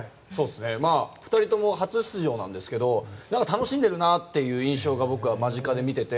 ２人とも初出場なんですけど楽しんでいるなという印象が僕は間近で見ていて。